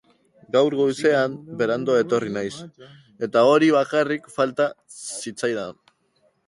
Gaur goizean berandu etorri naiz, eta hori bakarrik falta zitzaidan...